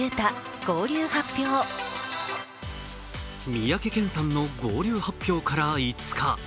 三宅健さんの合流発表から５日。